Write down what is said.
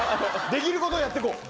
できることをやって行こう。